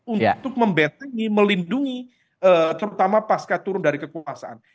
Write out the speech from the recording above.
untuk membentengi melindungi terutama pasca turun dari kekuasaan